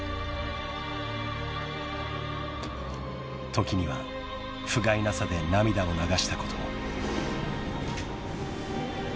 ［時にはふがいなさで涙を流したことも］